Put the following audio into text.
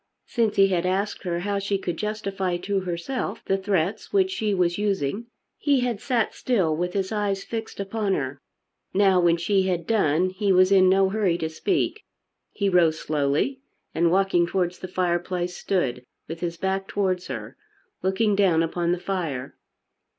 Since he had asked her how she could justify to herself the threats which she was using he had sat still with his eyes fixed upon her. Now, when she had done, he was in no hurry to speak. He rose slowly and walking towards the fireplace stood with his back towards her, looking down upon the fire.